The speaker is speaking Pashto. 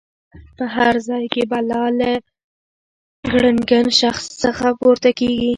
په هر ځای کې بلا له ګړنګن شخص څخه پورته کېږي.